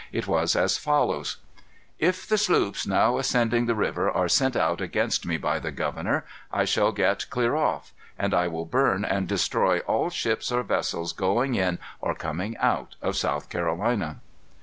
It was as follows: "If the sloops now ascending the river are sent out against me by the governor, I shall get clear off. And I will burn and destroy all ships or vessels going in or coming out of South Carolina."